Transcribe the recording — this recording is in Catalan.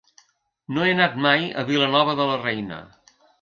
No he anat mai a Vilanova de la Reina.